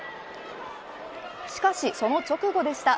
しかし、その直後でした。